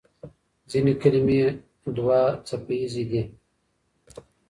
ځینې کلمې دوهڅپیزې دي.